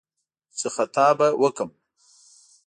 چې «خطا به وکړم»